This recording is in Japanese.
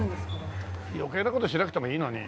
余計な事しなくてもいいのに。